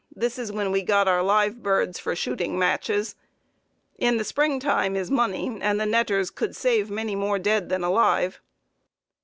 Then is when we got our live birds for shooting matches. In the spring time is money, and the netters could save many more dead than alive.